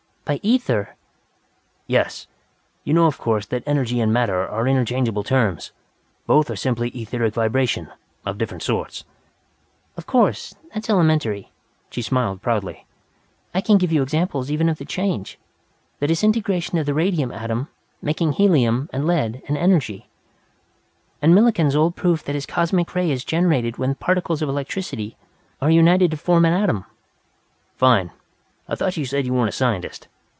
"By ether!" "Yes. You know of course that energy and matter are interchangeable terms; both are simply etheric vibration, of different sorts." "Of course. That's elementary." She smiled proudly. "I can give you examples, even of the change. The disintegration of the radium atom, making helium and lead and energy. And Millikan's old proof that his Cosmic Ray is generated when particles of electricity are united to form an atom." "Fine! I thought you said you weren't a scientist."